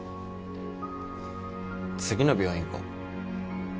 次の病院行こう。